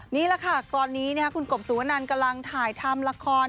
นี่แหละค่ะตอนนี้คุณกบสุวนันกำลังถ่ายทำละคร